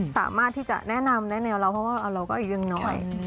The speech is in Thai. สามารถที่จะแนะนำได้แนวเราเพราะว่าเราก็อายุยังน้อย